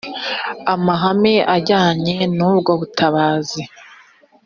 amahame ajyanye n’ubwo butabazi